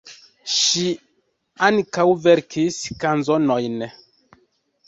Ŝi ankaŭ verkis kanzonojn.